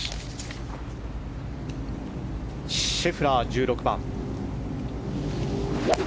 シェフラー、１６番。